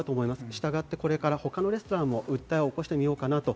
従ってこれから他のレストランも訴えを起こしてみようかなと。